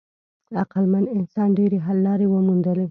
عقلمن انسان ډېرې حل لارې وموندلې.